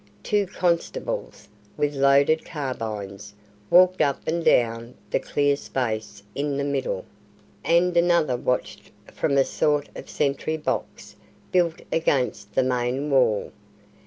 Two constables, with loaded carbines, walked up and down the clear space in the middle, and another watched from a sort of sentry box built against the main wall.